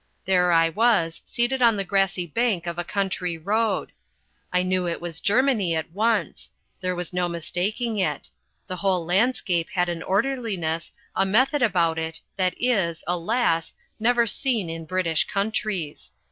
There I was, seated on the grassy bank of a country road. I knew it was Germany at once. There was no mistaking it. The whole landscape had an orderliness, a method about it that is, alas, never seen in British countries.